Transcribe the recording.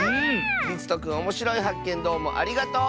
りつとくんおもしろいはっけんどうもありがとう！